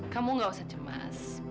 kamu gak usah cemas